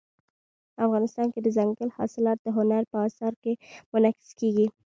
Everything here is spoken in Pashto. افغانستان کې دځنګل حاصلات د هنر په اثار کې منعکس کېږي.